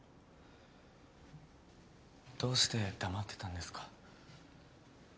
どうして黙ってたんですか？